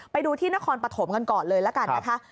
ไปดูที่นครปฐมกันก่อนเลยละกันนะคะ